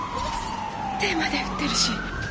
手まで振ってるし。